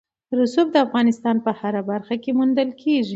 رسوب د افغانستان په هره برخه کې موندل کېږي.